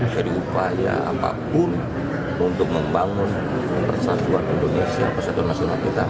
jadi upaya apapun untuk membangun persatuan indonesia persatuan nasional kita